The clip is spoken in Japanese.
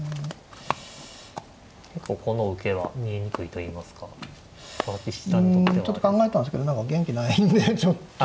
結構この受けは見えにくいといいますか佐々木七段にとっては。うんちょっと考えたんですけど何か元気ないんでちょっと。